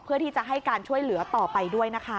เพื่อที่จะให้การช่วยเหลือต่อไปด้วยนะคะ